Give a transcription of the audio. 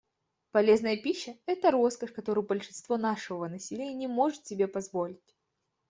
Полезная пища — это роскошь, которую большинство нашего населения не может себе позволить.